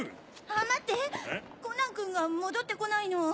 あぁ待ってコナン君が戻って来ないの。